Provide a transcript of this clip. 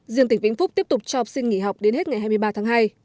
riêng tỉnh vĩnh phúc tiếp tục cho học sinh nghỉ học đến hết ngày hai mươi ba tháng hai